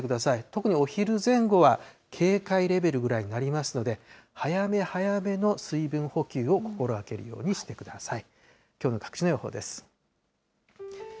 特にお昼前後は警戒レベルぐらいになりますので、早め早めの水分補給を心がけるようにしてください。